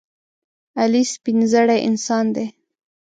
علي سپینزړی انسان دی.